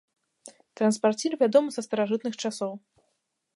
Транспарцір вядомы са старажытных часоў.